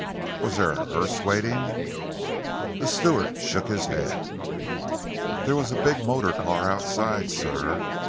"Was there a hearse waiting?" The steward shook his head. "There was a big motor car outside, sir.